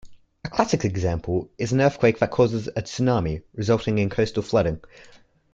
A classic example is an earthquake that causes a tsunami, resulting in coastal flooding.